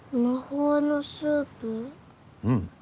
うん。